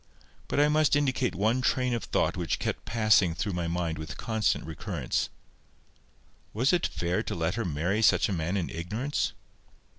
But I must indicate one train of thought which kept passing through my mind with constant recurrence:—Was it fair to let her marry such a man in ignorance?